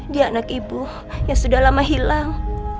dia anak ibu yang sudah lama hilang